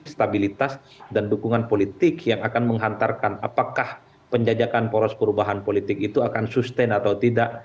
stabilitas dan dukungan politik yang akan menghantarkan apakah penjajakan poros perubahan politik itu akan sustain atau tidak